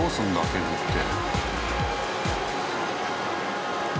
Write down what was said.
削って。